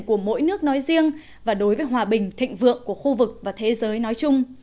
của mỗi nước nói riêng và đối với hòa bình thịnh vượng của khu vực và thế giới nói chung